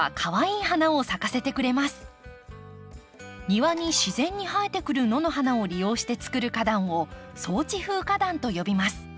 庭に自然に生えてくる野の花を利用して作る花壇を草地風花壇と呼びます。